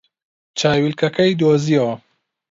چاویلکەکەی دۆزییەوە.